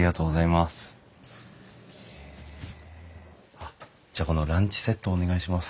あっじゃあこのランチセットお願いします。